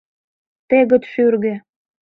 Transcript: Тегыт шӱргӧ!